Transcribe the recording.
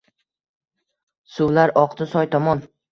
Suvlar oqdi soy tomon